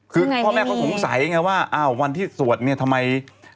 คือพ่อแม่ก็คงถึงใสวันที่สวดเนี่ยทำไม